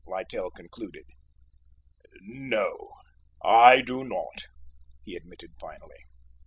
Littell concluded. "No, I do not," he admitted finally.